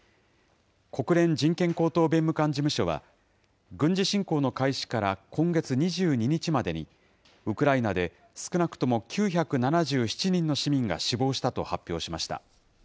国連人権高等弁務官事務所は、軍事侵攻の開始から今月２２日までに、ウクライナで少なくとも９７７人の市民が死亡したと発表しました。